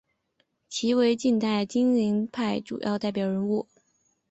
其为近代金陵派主要代表人物。